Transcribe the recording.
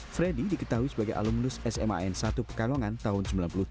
freddy diketahui sebagai alumnus sma n satu pekalongan tahun seribu sembilan ratus sembilan puluh tiga